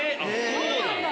そうなんだ。